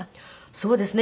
そうですね。